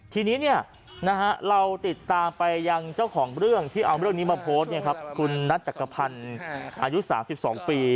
ทีนี้เราติดตามไปยังเจ้าของเรื่องที่เอาเรื่องนี้มาโพสต์คุณนัทจักรพันธ์อายุ๓๒ปี